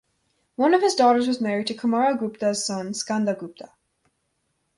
One of his daughters was married to Kumara Gupta's son Skanda Gupta.